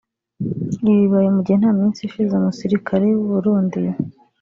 Ibi bibaye mu gihe nta minsi ishize umusirikare w’u Burundi